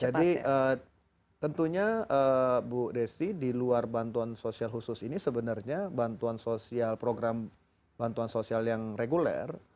jadi tentunya bu desi di luar bantuan sosial khusus ini sebenarnya program bantuan sosial yang reguler